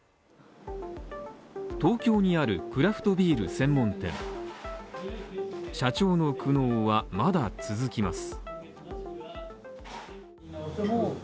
東京にあるクラフトビール専門店社長の苦悩はまだ続きます